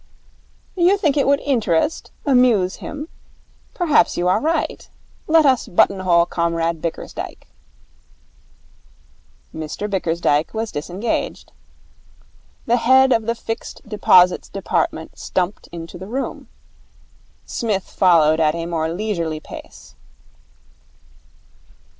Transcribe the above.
'You think it would interest, amuse him? Perhaps you are right. Let us buttonhole Comrade Bickersdyke.' Mr Bickersdyke was disengaged. The head of the Fixed Deposits Department stumped into the room. Psmith followed at a more leisurely pace.